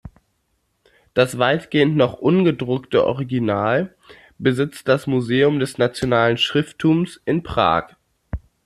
Das weitgehend noch ungedruckte Original besitzt das Museum des nationalen Schrifttums in Prag.